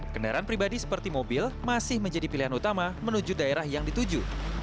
kendaraan pribadi seperti mobil masih menjadi pilihan utama menuju daerah yang dituju